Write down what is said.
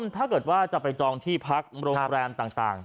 ถ้าเกิดว่าจะไปจองที่พักโรงแรมต่าง